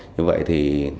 như vậy thì